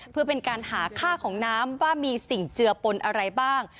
เพื่อเป็นการหาค่าของน้ำว่ามีสิ่งเจือปนอะไรบ้าง